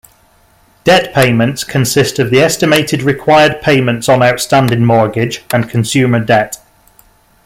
Debt payments consist of the estimated required payments on outstanding mortgage and consumer debt.